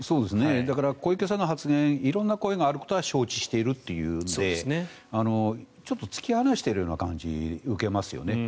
だから小池さんの発言色んな声があることは承知しているというのでちょっと突き放しているような感じを受けますよね。